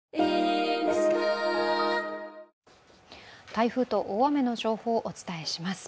台風と大雨の情報をお伝えします。